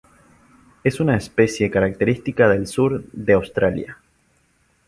Es una especie característica del sur de Australia.